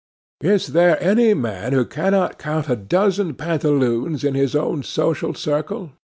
Is there any man who cannot count a dozen pantaloons in his own social circle?